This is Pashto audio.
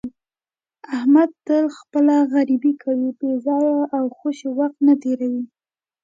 احمد تل خپله غریبي کوي، بې ځایه او خوشې وخت نه تېروي.